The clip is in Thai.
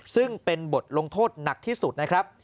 ซึ่งเป็นบทลงโทษหนักที่สุดนะครับ